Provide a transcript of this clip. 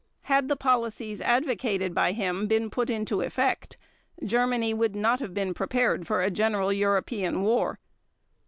Had the policies advocated by him been put into effect, Germany would not have been prepared for a general European war.